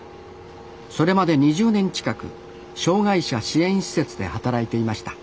それまで２０年近く障がい者支援施設で働いていました。